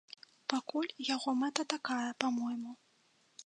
Пакуль яго мэта такая, па-мойму.